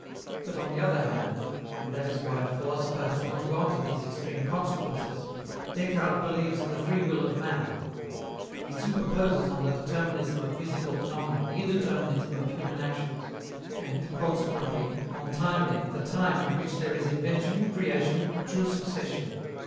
But, on the other hand (and that is why the philosopher has not gone to these extreme consequences), Descartes believes in the free will of man. He superposes on the determinism of physical phenomena the indeterminism of human actions, and, consequently, on time length a time in which there is invention, creation, true succession.